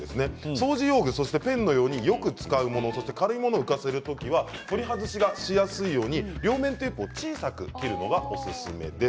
掃除用具のようによく使うもの軽いものを浮かせる時は取り外ししやすいように両面テープを小さく切るのがおすすめです。